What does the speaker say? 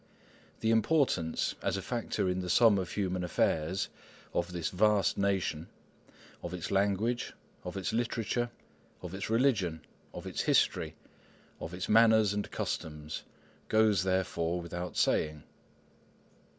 The importance, as a factor in the sum of human affairs, of this vast nation,—of its language, of its literature, of its religions, of its history, of its manners and customs,—goes therefore without saying.